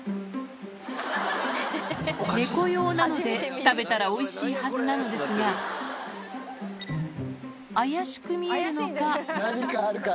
猫用なので食べたらおいしいはずなのですが怪しく見えるのか「何かあるか？」